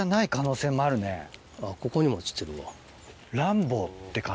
ここにも落ちてるわ。